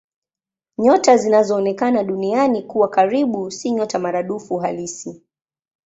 Nyota zinazoonekana Duniani kuwa karibu si nyota maradufu halisi.